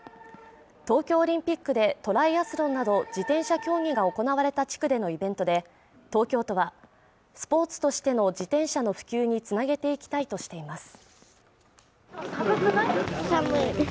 東京オリンピックでトライアスロンなど自転車競技が行われた地区でのイベントで東京都はスポーツとしての自転車の普及につなげていきたいとしています